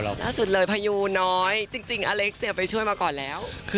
ล่าสุดเลยพยูน้อยจริงอเล็กซ์ไปช่วยมาก่อนแล้ว